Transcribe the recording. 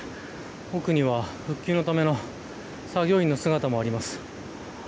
奥には、復旧のための作業員の姿もあります。